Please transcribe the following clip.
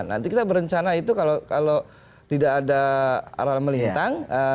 nanti kita berencana itu kalau tidak ada aral melintang